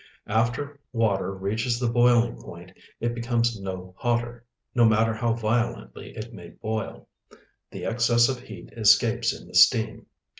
After water reaches the boiling point it becomes no hotter, no matter how violently it may boil. The excess of heat escapes in the steam.